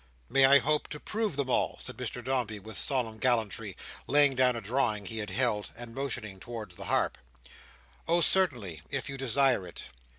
"May I hope to prove them all?" said Mr Dombey, with solemn gallantry, laying down a drawing he had held, and motioning towards the harp. "Oh certainly! If you desire it!"